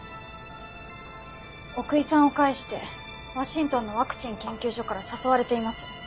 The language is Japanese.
奥居さんを介してワシントンのワクチン研究所から誘われています。